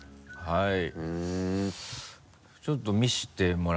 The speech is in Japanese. はい。